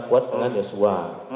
kuat dengan joshua